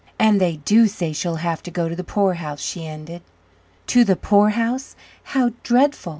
"And they do say she'll have to go to the poorhouse," she ended. "To the poorhouse! how dreadful!